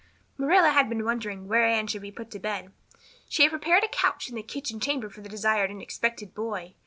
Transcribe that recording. Marilla had been wondering where Anne should be put to bed. She had prepared a couch in the kitchen chamber for the desired and expected boy.